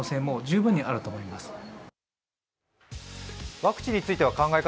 ワクチンについては考え方